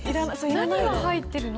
何が入ってるの？